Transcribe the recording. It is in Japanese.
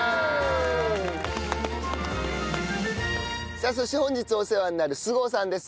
さあそして本日お世話になる菅生さんです。